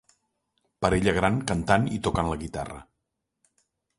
Parella gran cantant i tocant la guitarra.